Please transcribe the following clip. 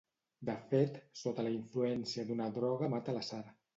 De fet, sota la influència d'una droga mata la Sara.